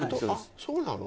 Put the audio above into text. そうなの？